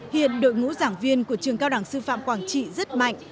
hiện đội ngũ giảng viên của trường cao đẳng sư phạm quảng trị rất mạnh